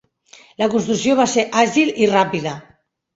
La construcció va ser àgil i ràpida.